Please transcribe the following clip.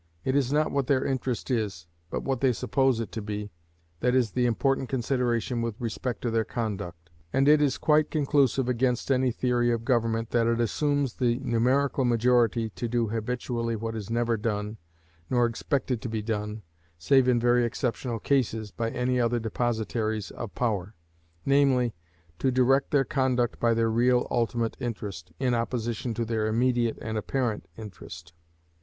It is not what their interest is, but what they suppose it to be, that is the important consideration with respect to their conduct; and it is quite conclusive against any theory of government that it assumes the numerical majority to do habitually what is never done, nor expected to be done, save in very exceptional cases, by any other depositaries of power namely, to direct their conduct by their real ultimate interest, in opposition to their immediate and apparent interest.